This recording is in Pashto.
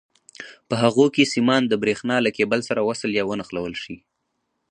په هغو کې سیمان د برېښنا له کېبل سره وصل یا ونښلول شي.